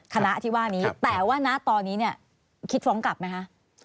คณะที่ว่านี้แต่ว่าณตอนนี้เนี่ยคิดฟ้องกลับไหมคะ